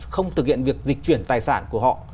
không thực hiện việc dịch chuyển tài sản của họ